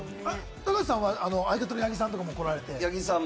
高橋さんは相方の八木さんも来られて？